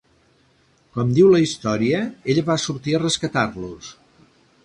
Com diu la història, ella va sortir a rescatar-los.